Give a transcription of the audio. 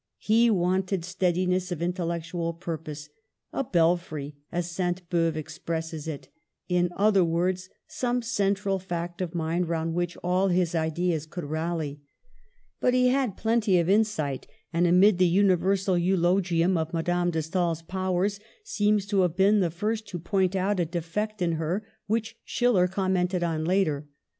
He wanted steadiness of intellectual purpose — a "belfry," as St. Beuve expresses it; in other words, some central fact of mind round which all his ideas could rally — but he had plenty of insight, and, amid the universal eulogium of Madame de Stael's powers, seems to have been the first to point out a defect in her which Schiller com mented on later.